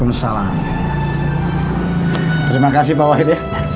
ini udah lebih dari cukup ini pak wahid